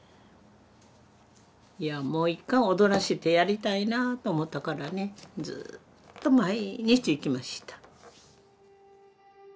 いやもう一回踊らせてやりたいなと思ったからねずっと毎日行きました。